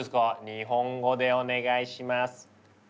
日本語でお願いします！